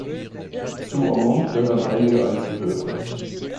Zu Aumont gehören einige Einzelhöfe.